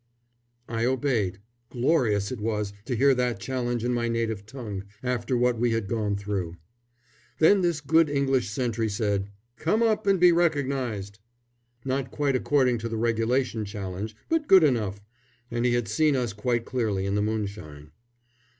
I obeyed glorious it was to hear that challenge in my native tongue, after what we had gone through. Then this good English sentry said, "Come up and be recognised!" not quite according to the regulation challenge, but good enough and he had seen us quite clearly in the moonshine.